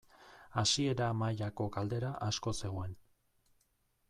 Hasiera mailako galdera asko zegoen.